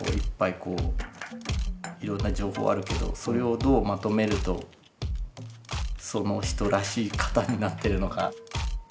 こういろんな情報あるけどそれをどうまとめるとその人らしい型になってるのか。